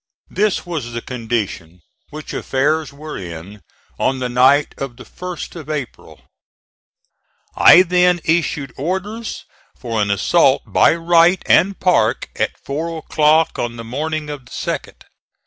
This was the condition which affairs were in on the night of the 1st of April. I then issued orders for an assault by Wright and Parke at four o'clock on the morning of the 2d.